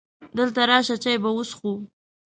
دلته راشه! چای به وڅښو .